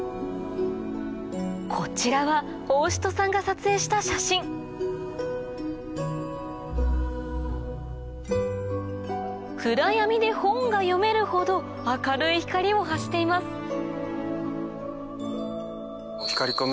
こちらは法師人さんが撮影した写真暗闇で本が読めるほど明るい光を発していますうわ